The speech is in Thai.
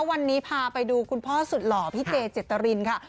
วันนี้พาไปดูคุณพ่อสุดหล่อพี่เจเจตรินค่ะ